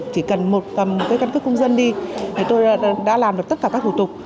chỉ cần một căn cức công dân đi tôi đã làm được tất cả các thủ tục